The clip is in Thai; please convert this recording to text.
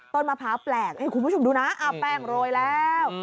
มะพร้าวแปลกคุณผู้ชมดูนะเอาแป้งโรยแล้ว